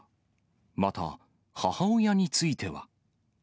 また、母親については。